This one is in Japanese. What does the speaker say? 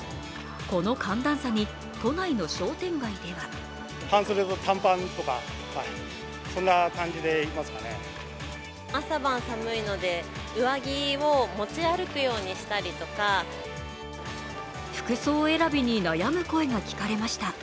この寒暖差に都内の商店街では服装選びに悩む声が聞かれました。